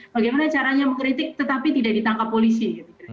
bagaimana caranya mengkritik tetapi tidak ditangkap polisi